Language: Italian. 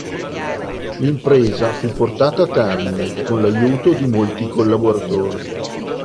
L'impresa fu portata a termine, con l'aiuto di molti collaboratori.